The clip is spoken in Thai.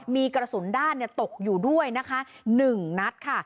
มีกระสุนด้านตกอยู่ด้วยนะคะ๑นัดค่ะ